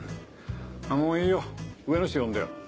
もういいよ上の人呼んでよ。